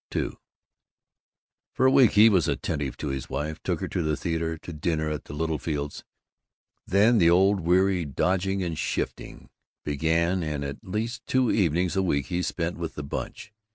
II For a week he was attentive to his wife, took her to the theater, to dinner at the Littlefields'; then the old weary dodging and shifting began, and at least two evenings a week he spent with the Bunch.